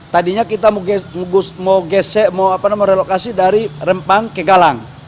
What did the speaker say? tadinya kita mau relokasi dari rempang ke galang